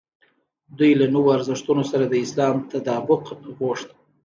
دوی له نویو ارزښتونو سره د اسلام تطابق غوښت.